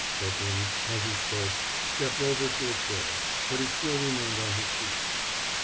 Copeland, as he spoke, stepped over to a chair, but he still remained on his feet.